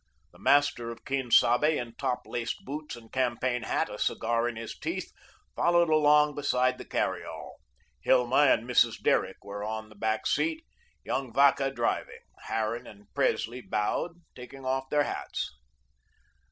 The master of Quien Sabe, in top laced boots and campaign hat, a cigar in his teeth, followed along beside the carry all. Hilma and Mrs. Derrick were on the back seat, young Vacca driving. Harran and Presley bowed, taking off their hats.